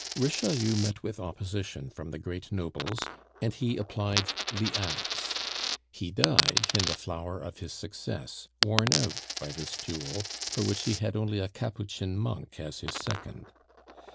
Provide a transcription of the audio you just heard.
Richelieu met with opposition from the great nobles, and he applied the axe; he died in the flower of his success, worn out by this duel, for which he had only a Capuchin monk as his second.